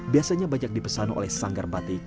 biasanya banyak dipesan oleh sanggar batik